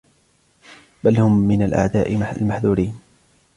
بَلْ هُمْ مِنْ الْأَعْدَاءِ الْمَحْذُورِينَ